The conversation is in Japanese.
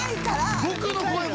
僕の声も